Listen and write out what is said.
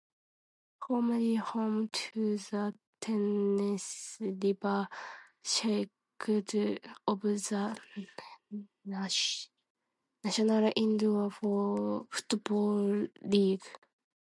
Formerly home to the Tennessee River Sharks of the National Indoor Football League.